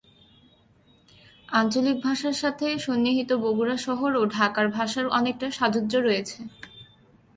আঞ্চলিক ভাষার সাথে সন্নিহিত বগুড়া শহর ও ঢাকার ভাষার অনেকটা সাযুজ্য রয়েছে।